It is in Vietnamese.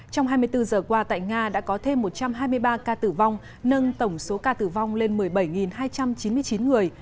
trong hai mươi bốn giờ qua tại nga đã có thêm một trăm hai mươi ba ca tử vong nâng tổng số ca tử vong lên một mươi bảy hai trăm chín mươi chín người